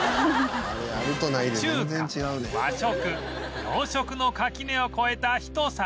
中華和食洋食の垣根を越えたひと皿